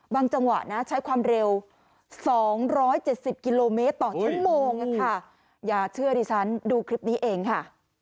จังหวะนะใช้ความเร็ว๒๗๐กิโลเมตรต่อชั่วโมงค่ะอย่าเชื่อดิฉันดูคลิปนี้เองค่ะ